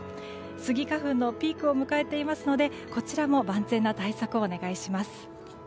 スギ花粉のピークを迎えていますのでこちらも万全な対策をお願いします。